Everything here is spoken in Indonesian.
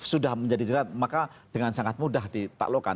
sudah menjadi jerat maka dengan sangat mudah ditaklukkan